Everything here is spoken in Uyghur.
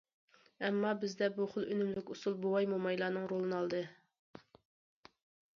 ئەمما بىزدە بۇ خىل ئۈنۈملۈك ئۇسۇل بوۋاي- مومايلارنىڭ رولىنى ئالدى.